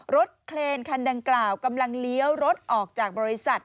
เคลนคันดังกล่าวกำลังเลี้ยวรถออกจากบริษัท